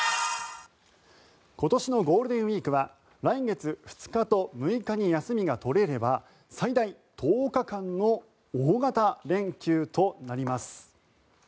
今年のゴールデンウィークは来月２日と６日に休みが取れれば最大１０日間の大型連休となります。